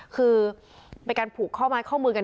คือไปการผูกข้อม้ายข้อมือกัน